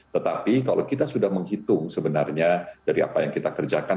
tetapi kalau kita sudah menghitung sebenarnya dari apa yang kita kerjakan